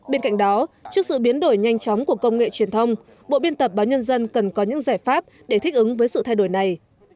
bên cạnh đó trước sự biến đổi nhanh chóng của công nghệ truyền thông bộ biên tập báo nhân dân cần có những giải pháp để thích ứng với sự thay đổi này